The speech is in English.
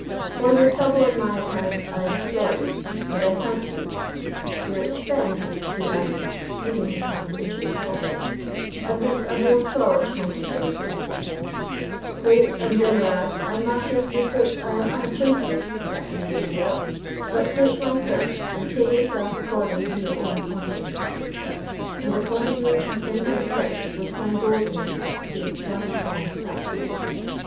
For your trouble on my account, I am sorry, and I thank you; your expense," he added, putting his hand into his pocket, "admits a more solid compensation: freight and demurrage are matters with which I am unacquainted, Captain Craigengelt, but take my purse and pay yourself according to your own conscience." And accordingly he tendered a purse with some gold in it to the soi disant captain.